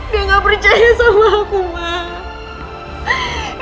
dia gak percaya sama aku mah